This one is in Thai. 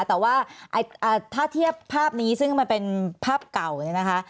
แต่ว่าถ้าเทียบภาพนี้ซึ่งมันเป็นภาพเก่าเนี่ยนะคะ